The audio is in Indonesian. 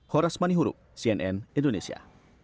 horas mani hurup cnn indonesia